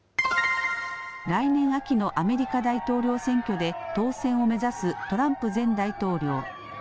来年秋のアメリカ大統領選挙で当選を目指すトランプ前大統領。